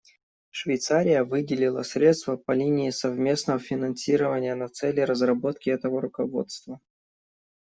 Швейцария выделила средства по линии совместного финансирования на цели разработки этого руководства.